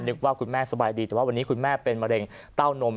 ว่าคุณแม่สบายดีแต่ว่าวันนี้คุณแม่เป็นมะเร็งเต้านม